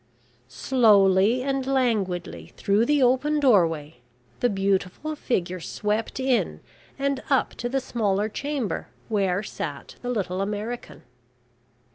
Slowly and languidly through the open doorway, the beautiful figure swept in and up to the smaller chamber where sat the little American.